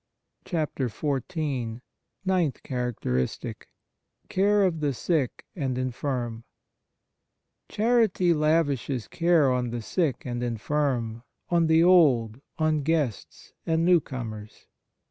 XIV NINTH CHARACTERISTIC Care of the sick and infirm CHARITY lavishes care on the sick and infirm, on the old, on guests and new comers.